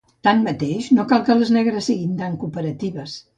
Tanmateix, no cal que les negres siguin tan cooperatives.